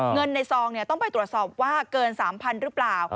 เงินในซองต้องไปตรวจสอบว่าเกิน๓๐๐๐หรือเปล่า